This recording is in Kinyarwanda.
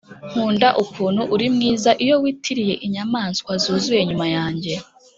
nkunda ukuntu uri mwiza iyo witiriye inyamaswa zuzuye nyuma yanjye